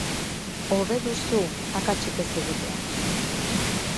Hobe duzu akatsik ez egitea.